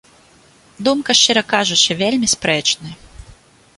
Думка, шчыра кажучы, вельмі спрэчная.